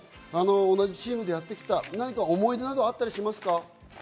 同じチームでやってきた思い出などあったりしますか？